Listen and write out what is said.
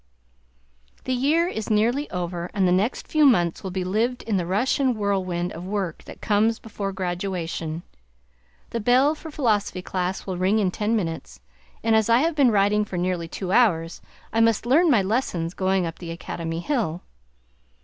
The year is nearly over and the next few months will be lived in the rush and whirlwind of work that comes before graduation. The bell for philosophy class will ring in ten minutes, and as I have been writing for nearly two hours, I must learn my lesson going up the Academy hill.